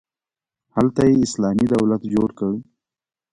هلته یې اسلامي دولت جوړ کړ.